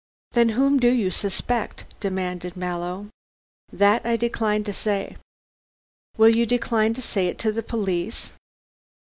"Then whom do you suspect?" demanded Mallow. "That I decline to say." "Will you decline to say it to the police?"